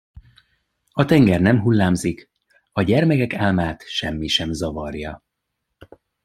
A tenger nem hullámzik, a gyermekek álmát semmi sem zavarja.